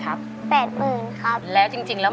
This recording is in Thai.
คุณแม่รู้สึกยังไงในตัวของกุ้งอิงบ้าง